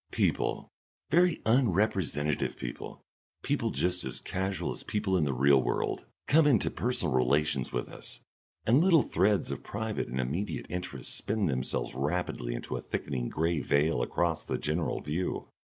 People, very unrepresentative people, people just as casual as people in the real world, come into personal relations with us, and little threads of private and immediate interest spin themselves rapidly into a thickening grey veil across the general view.